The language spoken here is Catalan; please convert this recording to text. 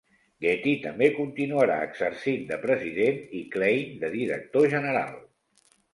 Getty també continuarà exercint de president i Klein de director general.